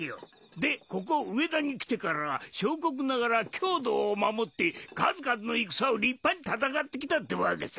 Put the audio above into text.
でここ上田に来てからは小国ながら郷土を守って数々の戦を立派に戦って来たってわけさ。